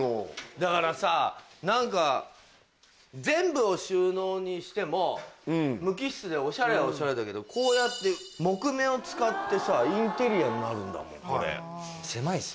だからさ何か全部を収納にしても無機質でオシャレはオシャレだけどこうやって木目を使ってさインテリアになるんだもんこれ。